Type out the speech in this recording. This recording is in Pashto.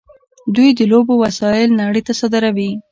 دوی د لوبو وسایل نړۍ ته صادروي.